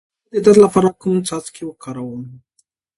د کولمو د درد لپاره کوم څاڅکي وکاروم؟